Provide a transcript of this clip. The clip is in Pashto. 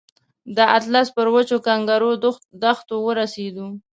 د اطلس پر وچو کانکرو دښتو ورسېدو.